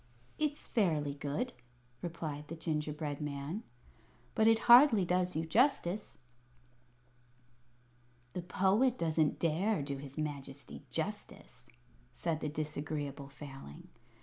"It's fairly good," replied the gingerbread man; "but it hardly does you justice." "The Poet doesn't dare do his Majesty justice," said the Disagreeable Failing.